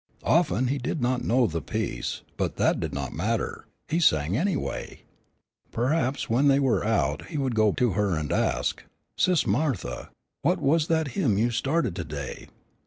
Often he did not know the piece, but that did not matter, he sang anyway. Perhaps when they were out he would go to her and ask, "Sis' Martha, what was that hymn you stahrted to day?"